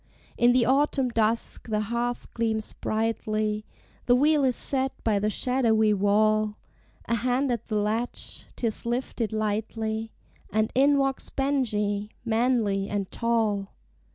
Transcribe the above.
In the autumn dusk the hearth gleams brightly, The wheel is set by the shadowy wall, A hand at the latch, 'tis lifted lightly, And in walks Benjie, manly and tall.